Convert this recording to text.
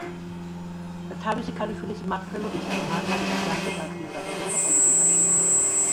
თავისი ქალიშვილის მმართველობისას, მარგარიტა ძალზედ აქტიურად ერეოდა პოლიტიკაში.